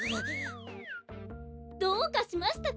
どうかしましたか？